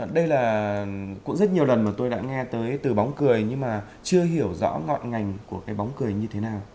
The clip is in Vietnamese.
đây là cũng rất nhiều lần mà tôi đã nghe tới từ bóng cười nhưng mà chưa hiểu rõ ngọn ngành của cái bóng cười như thế nào